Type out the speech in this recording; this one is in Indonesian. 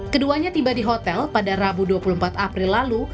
keduanya tiba di hotel pada rabu dua puluh empat april lalu